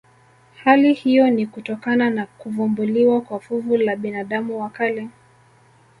Hali hiyo ni kutokana na kuvumbuliwa kwa fuvu la binadamu wa kale